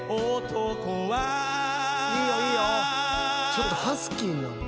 ちょっとハスキーなんだ。